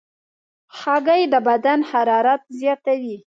هګۍ د بدن حرارت زیاتوي.